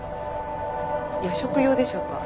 夜食用でしょうか。